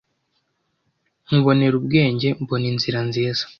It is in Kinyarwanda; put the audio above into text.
Nkubonera ubwenge Mbona inzira nziza